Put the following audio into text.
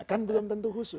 kan belum tentu husu